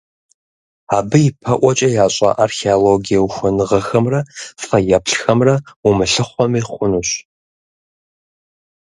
Абы ипэӀуэкӀэ ящӀа археологие ухуэныгъэхэмрэ фэеплъхэмрэ умылъыхъуэми хъунущ.